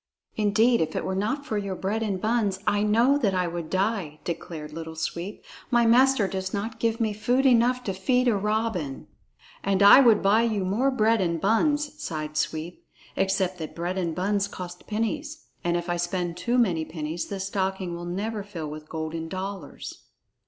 "Indeed, if it were not for your bread and buns, I know that I would die," declared Little Sweep. "My master does not give me food enough to feed a robin." "And I would buy you more bread and buns," sighed Sweep, "except that bread and buns cost pennies, and if I spend too many pennies, the stocking will never fill with golden dollars."